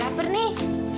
udah lapar nih